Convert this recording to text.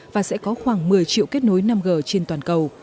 và sẽ có khoảng một mươi triệu kết nối năm g trên toàn cầu